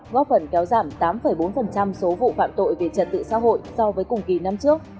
góp phần kéo giảm tám bốn số vụ phạm tội về trật tự xã hội so với cùng kỳ năm trước